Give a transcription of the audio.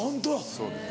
そうです。